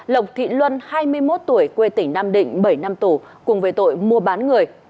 lộc thị luân hai mươi một tuổi quê tỉnh nam định bảy năm tù cùng về tội mua bán người